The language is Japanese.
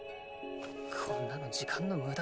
こんなの時間のムダだ。